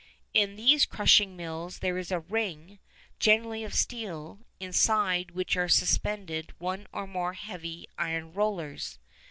In these crushing mills there is a ring, generally of steel, inside which are suspended one or more heavy iron rollers.